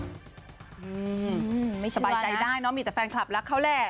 อืมไม่สบายใจได้เนอะมีแต่แฟนคลับรักเขาแหละ